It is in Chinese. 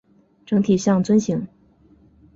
整体像樽形。